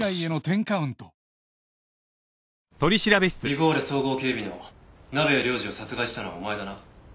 ビゴーレ総合警備の鍋谷亮次を殺害したのはお前だな？